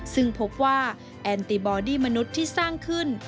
ซึ่งพบว่าแอนติบอดี้มนุษย์ที่สร้างขึ้น